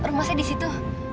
rumah saya disitu